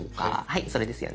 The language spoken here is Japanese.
はいそれですよね。